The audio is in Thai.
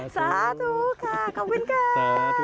สาธุค่ะขอบคุณค่ะ